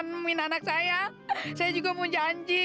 nemin anak saya saya juga mau janji